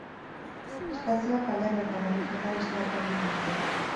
Estazioak kalean edota garajeetan instalatu ahal izango dira.